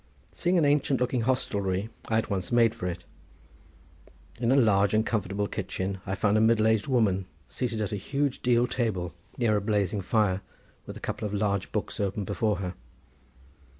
Seeing an ancient looking hostelry I at once made for it. In a large and comfortable kitchen I found a middle aged woman seated by a huge deal table near a blazing fire, with a couple of large books open before her.